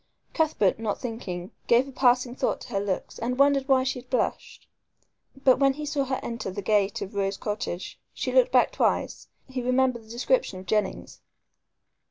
Cuthbert, not thinking, gave a passing thought to her looks and wondered why she had blushed. But when he saw her enter the gate of Rose Cottage she looked back twice he recalled the description of Jennings.